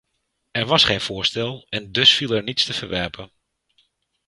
Er was geen voorstel en dus viel er niets te verwerpen.